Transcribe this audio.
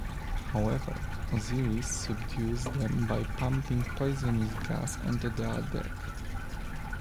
However, Osiris subdues them by pumping poisonous gas onto their deck.